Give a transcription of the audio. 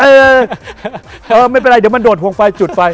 เออไม่เป็นไรเดี๋ยวมันโดดพวงไฟจุดไฟ